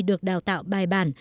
được đào tạo bài bản